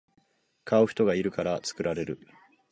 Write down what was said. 買う人がいるから作られる